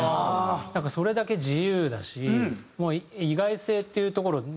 だからそれだけ自由だし意外性っていうところの。